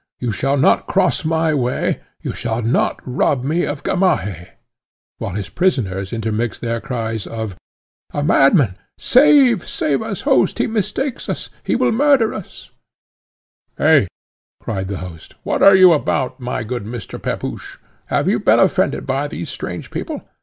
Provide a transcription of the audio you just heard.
you shall not cross my way, you shall not rob me of Gamaheh!" while his prisoners intermixed their cries of, "A madman! Save save us, host he mistakes us he will murder us " "Eh!" cried the host, "what are you about, my good Mr. Pepusch? Have you been offended by these strange people?